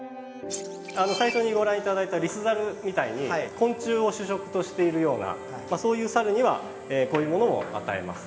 最初にご覧頂いたリスザルみたいに昆虫を主食としているようなそういうサルにはこういうものを与えます。